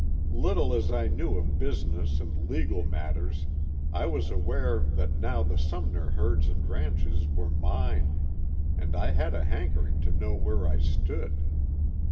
Little as I knew of business and legal matters I was aware that now the Sumner herds and ranches were mine, and I had a hankering to know where I stood.